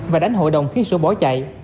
và đánh hội đồng khi sửu bỏ chạy